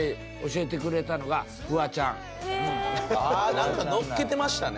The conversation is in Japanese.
なんかのっけてましたね。